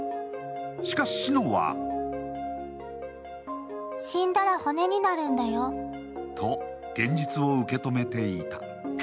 しかし、志乃は「死んだら骨になるんだよ」と現実を受け止めていた。